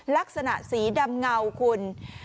ลักษณะสีดำเงาคุณ